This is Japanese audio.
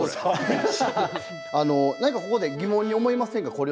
何かここで疑問に思いませんか？